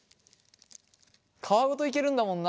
皮ごといけるんだもんな。